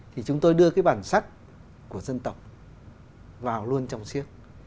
thì chúng tôi đưa cái bản sắc của dân tộc vào luôn trong siếc